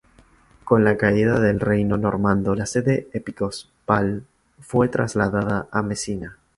Con la caída del reino normando, la sede episcopal fue trasladada a Mesina.